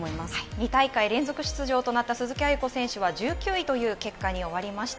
２大会連続出場となった鈴木亜由子選手は１９位という結果に終わりました。